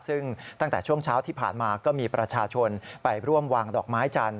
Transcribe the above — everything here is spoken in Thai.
ซึ่งตั้งแต่ช่วงเช้าที่ผ่านมาก็มีประชาชนไปร่วมวางดอกไม้จันท